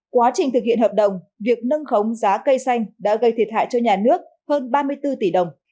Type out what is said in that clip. quá trình thực hiện hợp đồng việc nâng khống giá cây xanh đã gây thiệt hại cho nhà nước hơn ba mươi bốn tỷ đồng